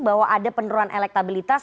bahwa ada peneruan elektabilitas